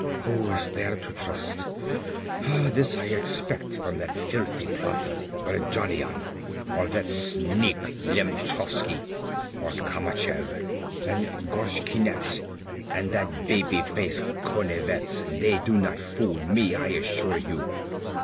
Who is there to trust? This I expect from that filthy plotter, Berjanian! Or that sneak, Lemchovsky, or Kamashev. And Gorshkinets and that babyface, Konevets; they do not fool me, I assure you!